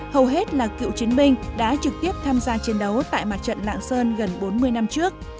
hầu hết là cựu chiến binh đã trực tiếp tham gia chiến đấu tại mặt trận lạng sơn gần bốn mươi năm trước